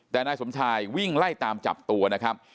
แต่นายสมชายวิ่งไล่ตามจับตัวนะครับ